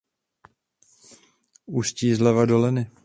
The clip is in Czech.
Ústí zleva do Leny.